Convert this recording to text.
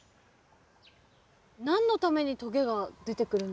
何のためにとげが出てくるんですかね？